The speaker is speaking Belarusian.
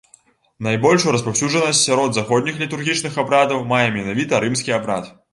Найбольшую распаўсюджанасць сярод заходніх літургічных абрадаў мае менавіта рымскі абрад.